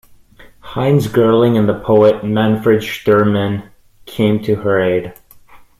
Heinz Gerling and the poet Manfred Schturmann came to her aid.